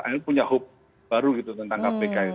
akhirnya punya hope baru tentang kpk